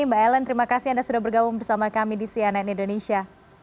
mbak ellen terima kasih anda sudah bergabung bersama kami di cnn indonesia